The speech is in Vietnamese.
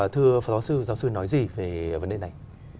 thưa phó giáo sư giáo sư nói gì về vấn đề này